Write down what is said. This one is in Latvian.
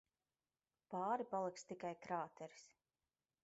Pāri paliks tikai krāteris.